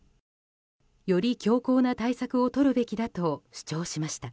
より強硬な対策をとるべきだと主張しました。